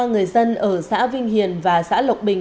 ba người dân ở xã vinh hiền và xã lộc bình